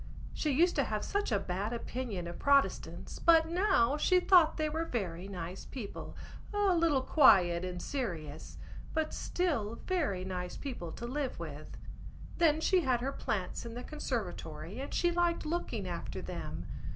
She used to have such a bad opinion of Protestants but now she thought they were very nice people, a little quiet and serious, but still very nice people to live with. Then she had her plants in the conservatory and she liked looking after them.